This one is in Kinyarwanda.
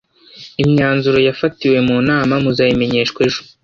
imyanzuro yafatiwe mu nama muzayimenyeshwa ejo